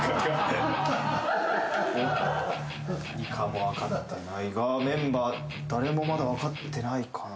ＮＩＫＡも分かってないがメンバー誰もまだ分かってないかな。